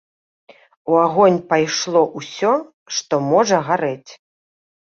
У агонь пайшло ўсё, што можа гарэць.